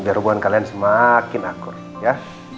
biar hubungan kalian semakin akur ya